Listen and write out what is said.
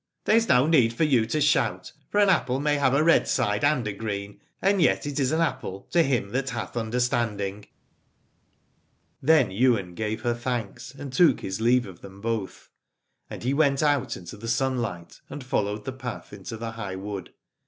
There is no need for you to shout : for an apple may have a red side and a green, and yet it is an apple, to him that hath understanding. Then Ywain gave her thanks, and took his leave of them both : and he went out into the sunlight, and followed the path into the high wood.